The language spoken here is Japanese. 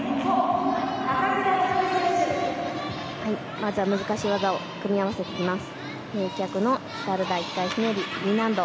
まずは難しい技を組み合わせてきます。